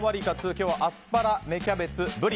今日はアスパラ、芽キャベツブリ